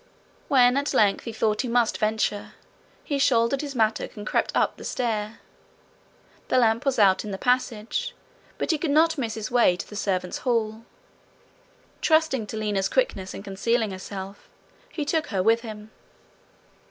When at length he thought he might venture, he shouldered his mattock and crept up the stair. The lamp was out in the passage, but he could not miss his way to the servants' hall. Trusting to Lina's quickness in concealing herself, he took her with him.